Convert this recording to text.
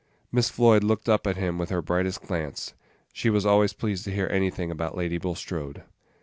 Miss Floyd looked up at him with her brightest glance. She was always pleased to hear anything about Lady Bulstrode.